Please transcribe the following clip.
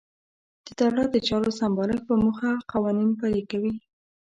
د دولت د چارو سمبالښت په موخه قوانین پلي کوي.